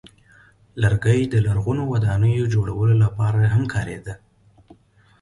لرګی د لرغونو ودانیو جوړولو لپاره هم کارېده.